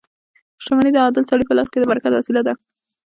• شتمني د عادل سړي په لاس کې د برکت وسیله ده.